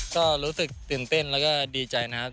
ก็รู้สึกตื่นเต้นแล้วก็ดีใจนะครับ